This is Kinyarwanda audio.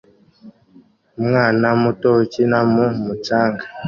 Umwana muto ukina mu mucanga